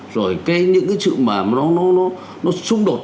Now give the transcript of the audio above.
rồi những cái sự mà nó xung đột